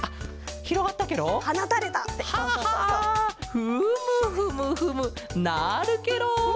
フムフムフムなるケロ！